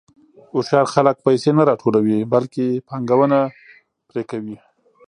هوښیار خلک پیسې نه راټولوي، بلکې پانګونه پرې کوي.